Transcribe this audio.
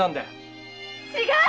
違う！